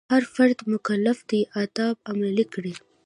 هر فرد مکلف دی آداب عملي کړي.